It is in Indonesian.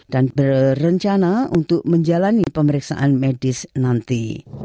dan berencana untuk menjalani pemeriksaan medis nanti